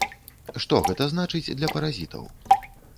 Што гэта значыць для паразітаў?